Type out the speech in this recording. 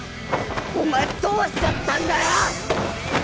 お前どうしちゃったんだよ！